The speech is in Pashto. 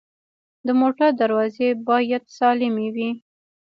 د موټر دروازې باید سالمې وي.